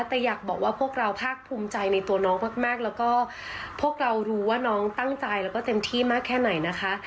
แต่อยากบอกว่าพวกเราภาคภูมิใจในตัวน้องมากแล้วก็พวกเรารู้ว่าน้องตั้งใจแล้วก็เต็มที่มากแค่ไหนนะคะ